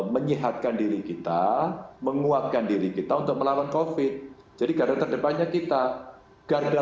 menyehatkan diri kita menguatkan diri kita untuk melawan covid jadi garda terdepannya kita garda